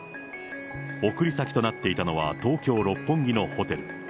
送り先となっていたのは、東京・六本木のホテル。